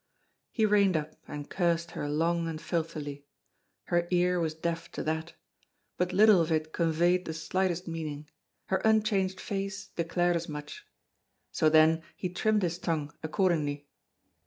He reined up and cursed her long and filthily. Her ear was deaf to that; but little of it conveyed the slightest meaning; her unchanged face declared as much. So then he trimmed his tongue accordingly.